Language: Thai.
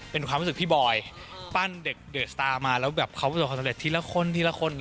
เป็นความรู้สึกพี่บอยปั้นเด็กเดอะสตาร์มาแล้วแบบเขาประสบความสำเร็จทีละคนทีละคน